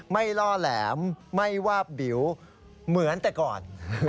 ล่อแหลมไม่วาบบิ๋วเหมือนแต่ก่อน